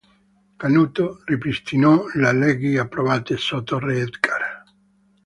Canuto ripristinò le leggi approvate sotto re Edgar.